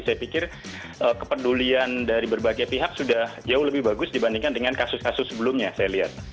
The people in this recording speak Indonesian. saya pikir kepedulian dari berbagai pihak sudah jauh lebih bagus dibandingkan dengan kasus kasus sebelumnya saya lihat